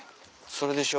それでしょ。